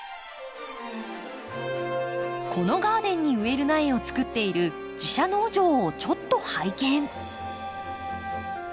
このガーデンに植える苗をつくっている自社農場をちょっと拝見。